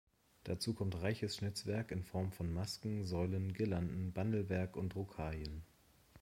Dazu kommt reiches Schnitzwerk in Form von Masken, Säulen, Girlanden, Bandelwerk und Rocaillen.